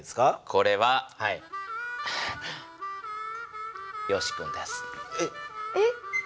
これはよしくんです。え？